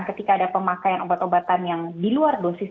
ketika ada pemakaian obat obatan yang di luar dosis